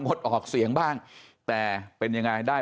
ดออกเสียงบ้างแต่เป็นยังไงได้